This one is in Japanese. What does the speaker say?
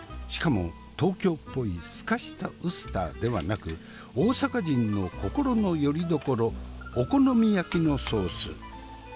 しかも東京っぽいすかしたウスターではなく大阪人の心のよりどころお好み焼きのソース。